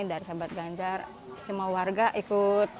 dari sahabat ganjar semua warga ikut